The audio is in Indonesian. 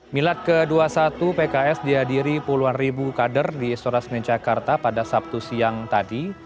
milad ke dua puluh satu pks dihadiri puluhan ribu kader di istora senen jakarta pada sabtu siang tadi